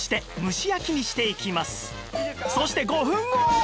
そして５分後